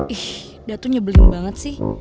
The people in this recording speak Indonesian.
ih datu nyebelin banget sih